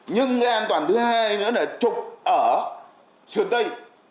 nhưng cái an toàn thứ hai nữa là trục ở sườn tây